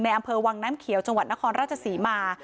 อำเภอวังน้ำเขียวจังหวัดนครราชศรีมา